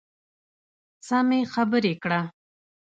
سمې خبرې کړه .